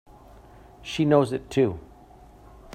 She knows it too!